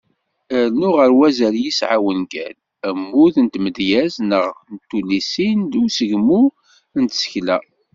Rnu ɣer wazal i yesεa wungal, ammud n tmedyezt neɣ n tullisin, deg usegmu n tsekla.